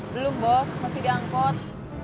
belum bos masih di angkot